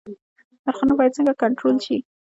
نرخونه باید څنګه کنټرول شي؟